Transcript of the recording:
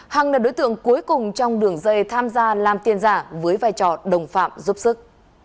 hằng là đối tượng cuối cùng trong đường dây tham gia làm tiền giả với vai trò đồng phạm giúp sức